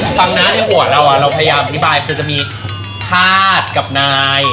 ฟังนะในหัวเราเราพยายามอธิบายคือจะมีธาตุกับนาย